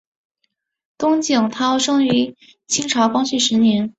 乐景涛生于清朝光绪十年。